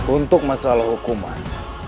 untuk masalah hukuman